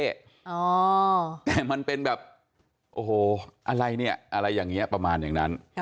อ๋อแต่มันเป็นแบบโอ้โหอะไรเนี่ยอะไรอย่างนี้ประมาณอย่างนั้น